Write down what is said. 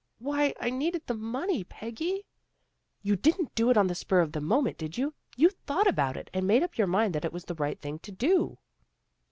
"" Why, I needed the money, Peggy." " You didn't do it on the spur of the moment, did you? You thought about it, and made up your mind that it was the right thing to do?"